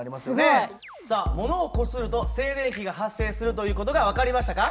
すごい！さあ物をこすると静電気が発生するという事が分かりましたか？